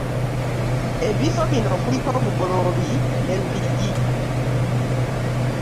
Ebifo bino kuliko Bugoloobi ne Lubigi